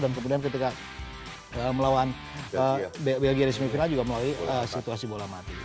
dan kemudian ketika melawan belgia di semifinal juga melalui situasi bola mati